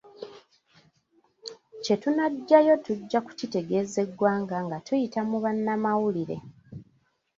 Kye tunaggyayo tujja kukitegeeza eggwanga nga tuyita mu bannamawulire.